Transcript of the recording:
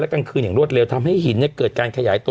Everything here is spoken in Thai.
กลางคืนอย่างรวดเร็วทำให้หินเกิดการขยายตัว